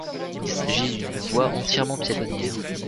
Il s'agit d'une voie entièrement piétonnière.